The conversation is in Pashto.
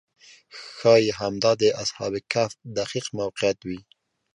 ښایي همدا د اصحاب کهف دقیق موقعیت وي.